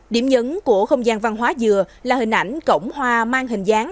điểm nhấn của không gian văn hóa dừa là hình ảnh cổng hoa mang hình dáng